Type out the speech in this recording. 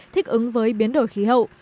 thích ứng với biến đổi khí hậu